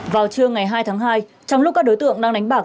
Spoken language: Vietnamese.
vào trưa ngày hai tháng hai trong lúc các đối tượng đang đánh bạc